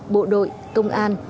bộ đội công an